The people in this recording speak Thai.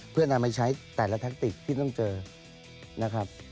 เพื่อนำไปใช้แต่ละแทคติกที่ต้องเจอนะครับ